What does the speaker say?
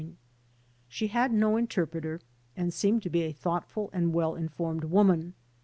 She had no interpreter and seemed to be a thoughtful and well informed woman.